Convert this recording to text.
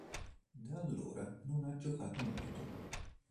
Da allora non ha giocato molto.